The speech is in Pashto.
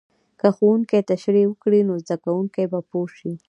که ښوونکی تشریح وکړي، نو زده کوونکی به پوه شي.